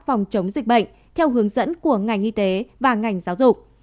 phòng chống dịch bệnh theo hướng dẫn của ngành y tế và ngành giáo dục